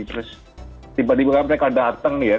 terus tiba tiba mereka datang ya